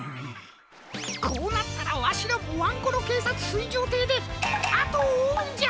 こうなったらわしらもワンコロけいさつすいじょうていであとをおうんじゃ！